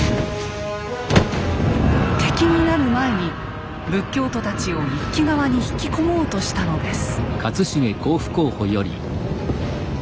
敵になる前に仏教徒たちを一揆側に引き込もうとしたのです。